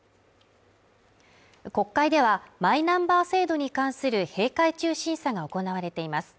国会ではマイナンバー制度に関する閉会中審査が行われています